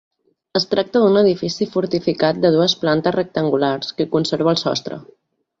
Es tracta d'un edifici fortificat de dues plantes rectangulars que conserva el sostre.